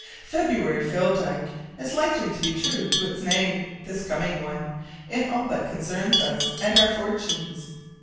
February fill dyke is likely to be true to its name, this coming one, in all that concerns us and our fortunes.